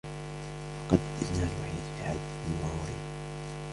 فقدتْ ابنها الوحيد في حادث مروري.